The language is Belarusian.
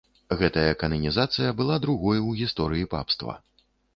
Гэтая кананізацыя была другой у гісторыі папства.